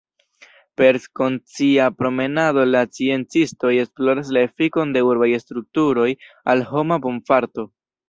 Per konscia promenado la sciencistoj esploras la efikon de urbaj strukturoj al homa bonfarto.